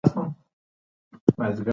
یو هلک خلک د خیرخانې هوټل ته په لوړ غږ بلل.